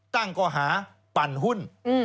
ตั้งก่อหาปั่นหุ้น